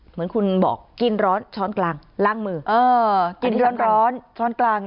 เหมือนคุณบอกกินร้อนช้อนกลางล่างมือกินร้อนช้อนกลาง